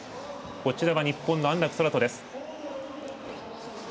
こちらは日本の安楽宙斗です。